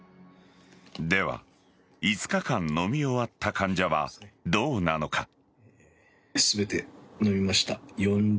では、５日間飲み終わった患者はどうなのか。